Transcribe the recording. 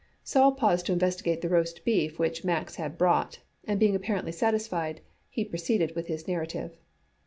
Sol paused to investigate the roast beef which Max had brought, and being apparently satisfied, he proceeded with his narrative.